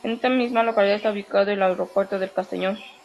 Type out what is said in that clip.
En esta misma localidad está ubicado el Aeropuerto de Castellón.